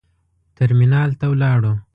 ترمینال ته ولاړو.